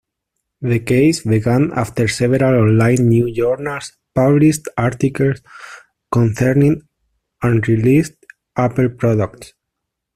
The case began after several online news journals published articles concerning unreleased Apple products.